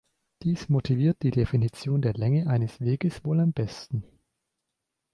Dies motiviert die Definition der Länge eines Weges wohl am besten.